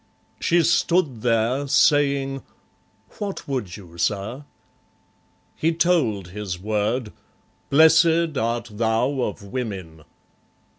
She stood there, Saying, "What would you, Sir?" He told his word, "Blessed art thou of women!"